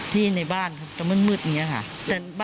ที่ในบ้านจะมืดอย่างงี้ค่ะ